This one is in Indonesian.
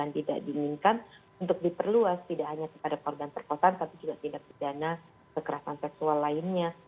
tidak diinginkan untuk diperluas tidak hanya kepada korban perkosaan tapi juga tindak pidana kekerasan seksual lainnya